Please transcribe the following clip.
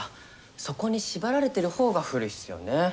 そこに縛られてるほうが古いっすよね。